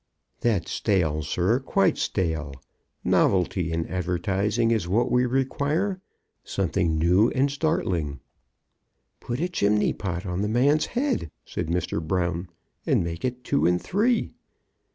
"That's stale, sir, quite stale; novelty in advertising is what we require; something new and startling." "Put a chimney pot on the man's head," said Mr. Brown, "and make it two and three."